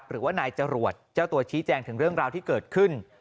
หรือว่านายจรวดเจ้าตัวชี้แจงถึงเรื่องราวที่เกิดขึ้น